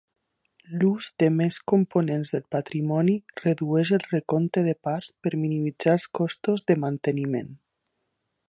L'ús de més components del patrimoni redueix el recompte de parts per minimitzar els costos de manteniment.